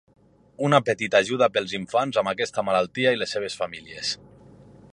Una petita ajuda pels infants amb aquesta malaltia i les seves famílies.